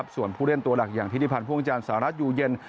ส่วนผู้เล่นตัวหลักอย่างธิติพันธ์พ่วงจานสหรัฐอยู่เย็น